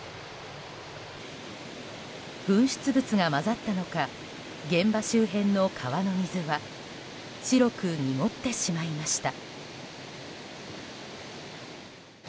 噴出物が混ざったのか現場周辺の川の水は白く濁ってしまいました。